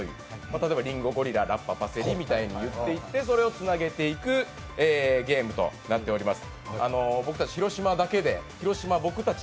例えば、りんご・ゴリラ・ラッパ・パセリみたいに言っていくという、それをつなげていくゲームとなっております。